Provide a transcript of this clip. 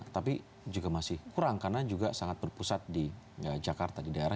tetapi juga masih kurang karena juga sangat berpusat di jakarta di daerah